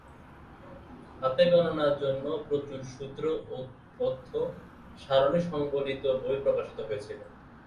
হাতে গণনার জন্য প্রচুর সুত্র ও তথ্য সারণি সংবলিত বই প্রকাশিত হয়েছিল।